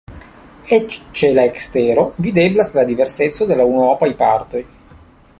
Eĉ ĉe la ekstero videblas la diverseco de la unuopaj partoj.